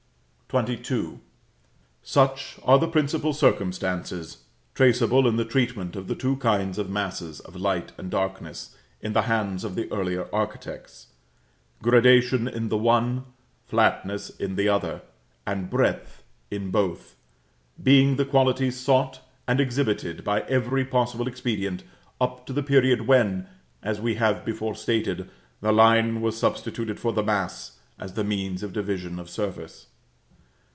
XXII. Such are the principal circumstances traceable in the treatment of the two kinds of masses of light and darkness, in the hands of the earlier architects; gradation in the one, flatness in the other, and breadth in both, being the qualities sought and exhibited by every possible expedient, up to the period when, as we have before stated, the line was substituted for the mass, as the means of division of surface.